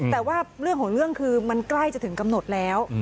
แต่ว่าเรื่องของเรื่องคือมันใกล้จะถึงกำหนดแล้ว